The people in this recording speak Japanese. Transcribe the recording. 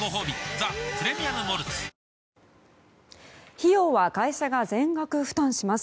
費用は会社が全額負担します。